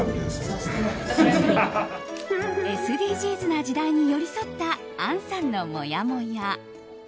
ＳＤＧｓな時代に寄り添った杏さんのもやもや。